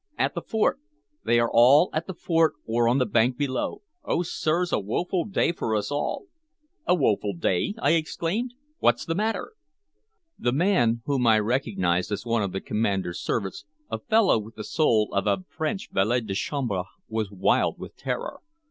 "At the fort. They are all at the fort or on the bank below. Oh, sirs, a woeful day for us all!" "A woeful day!" I exclaimed. "What's the matter?" The man, whom I recognized as one of the commander's servants, a fellow with the soul of a French valet de chambre, was wild with terror.